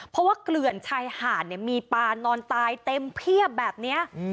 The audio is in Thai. เพราะว่าเกลื่อนชายหาดเนี่ยมีปลานอนตายเต็มเพียบแบบนี้